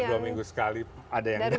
dua minggu sekali ada yang datang